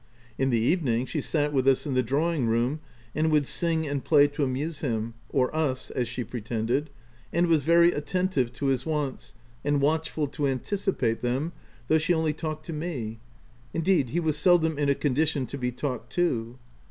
In the evening, she sat with us in the drawing room, and would sing and play to amuse him — or us, as she pretended — and was very attentive to his wants, and watchful to anticipate them, though she only talked to me — indeed, he was seldom in a condition to be talked to.